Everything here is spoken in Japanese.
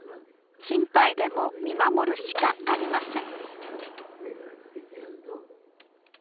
心配でも見守るしかありません。